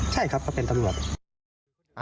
ใช่ครับเขาเป็นตำรวจ